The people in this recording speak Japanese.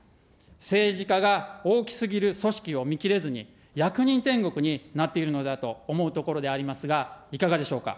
政治家が大きすぎる組織を見きれずに、役人天国になっているのだと思うところでありますが、いかがでしょうか。